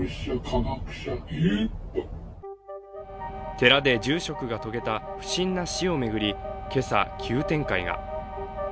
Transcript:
寺で住職が遂げた不審な死を巡り、今朝、急展開が。